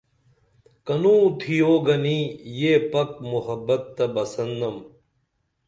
کنوں تھیو گنی یہ پک محبت تہ بسن نم